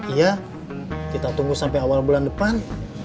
iya kita tunggu sampai awal bulan depan